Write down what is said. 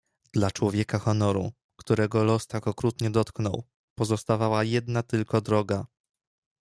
"Dla człowieka honoru, którego los tak okrutnie dotknął, pozostawała jedna tylko droga."